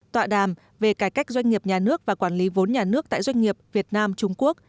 tọa đàm về cải cách doanh nghiệp nhà nước và quản lý vốn nhà nước tại doanh nghiệp việt nam trung quốc